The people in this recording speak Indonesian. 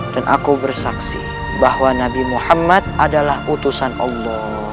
dan aku bersaksi bahwa nabi muhammad adalah utusan allah